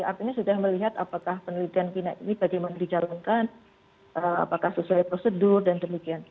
artinya sudah melihat apakah penelitian kina ini bagaimana dicalonkan apakah sesuai prosedur dan demikian